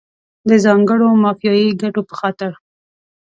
د ځانګړو مافیایي ګټو په خاطر.